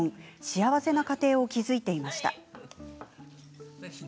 幸せな家庭を築いていました。